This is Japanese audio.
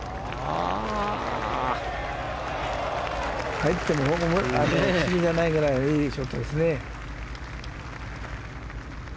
入っても不思議じゃないぐらいいいショットですね。